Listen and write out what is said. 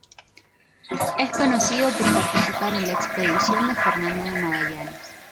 Es conocido por participar en la expedición de Fernando de Magallanes.